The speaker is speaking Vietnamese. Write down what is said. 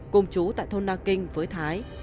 cùng chú tại thôn na kinh với thái